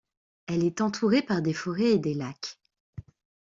Elle est entourée par des forêts et des lacs.